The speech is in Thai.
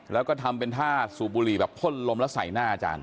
แล้วก็ทำเป็นท่าสูบบุหรี่แบบพ่นลมแล้วใส่หน้าอาจารย์